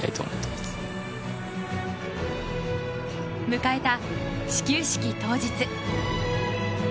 迎えた始球式当日。